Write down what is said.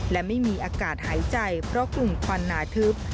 และไม่มีอากาศหายใจเพราะกลุ่มควันหนาทึบ